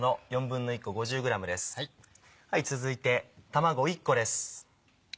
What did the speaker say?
続いて卵１個です。